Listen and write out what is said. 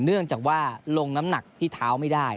เนื่องจากว่าลงน้ำหนักที่เท้าไม่ได้